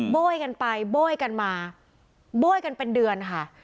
โบ้ยกันไปโบ้ยกันมาโบ้ยกันเป็นเดือนค่ะ